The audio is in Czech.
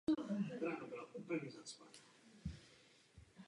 Připsal si tak třetí titul probíhající sezóny a celkově osmnáctý v kariéře.